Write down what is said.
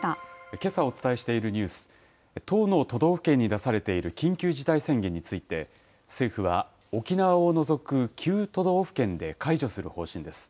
けさお伝えしているニュース、１０の都道府県に出されている緊急事態宣言について、政府は、沖縄を除く９都道府県で解除する方針です。